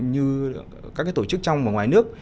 như các cái tổ chức trong và ngoài nước